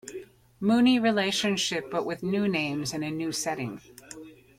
Mooney relationship, but with new names and a new setting.